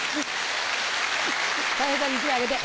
たい平さんに１枚あげて。